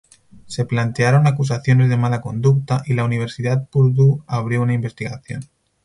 Se plantearon acusaciones de mala conducta, y la Universidad Purdue abrió una investigación.